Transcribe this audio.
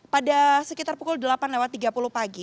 pada sekitar pukul delapan lewat tiga puluh pagi